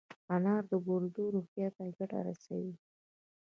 انار د ګردو روغتیا ته ګټه رسوي.